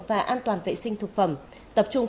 và an toàn vệ sinh thực phẩm tập trung